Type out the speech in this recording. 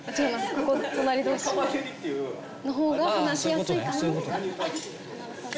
ここ隣同士のほうが話しやすいかな金田さん